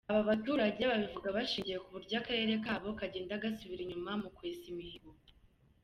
Aba baturage babivuga bashingiye ku buryo Akarere kabo kagenda gasubira inyuma mu kwesa imihigo.